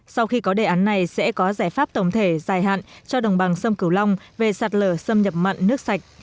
sau khi có đề án này sẽ có giải pháp tổng thể dài hạn cho đồng bằng sông cửu long về sạt lở xâm nhập mặn nước sạch